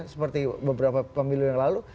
seperti beberapa pemilu yang lalu